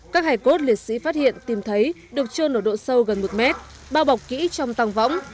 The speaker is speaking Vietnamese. các hải cốt liệt sĩ phát hiện tìm thấy được trơn ở độ sâu gần một mét bao bọc kỹ trong tăng võng